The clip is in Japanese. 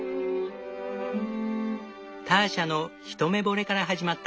ターシャの一目惚れから始まった。